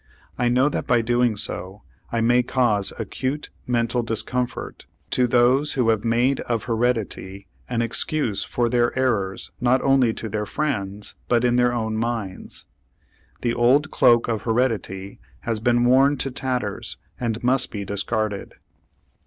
I know that by so doing I may cause acute mental discomfort to those who have made of heredity an excuse for their errors not only to their friends, but in their own minds. The old cloak of heredity has been worn to tatters and must be discarded.